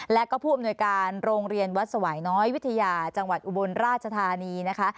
และก็ผู้อำนวยการโรงเรียนวัดสวายน้อยวิทยาจังหวัดอุบลราชธานีนะคะ